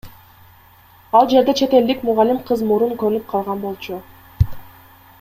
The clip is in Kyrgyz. Ал жерде чет элдик мугалим кыз мурун конуп калган болчу.